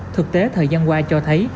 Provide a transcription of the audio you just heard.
thực tế thời gian qua cho thấy